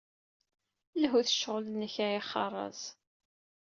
Lhu ed ccɣel-nnek a axerraz.